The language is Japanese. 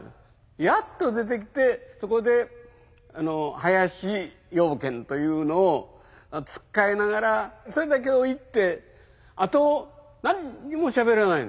やっと出てきてそこで「林養賢」というのをつっかえながらそれだけを言ってあと何にもしゃべらないの。